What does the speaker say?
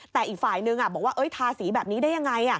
แต่อีกฝ่ายนึงบอกว่าทาสีแบบนี้ได้ยังไง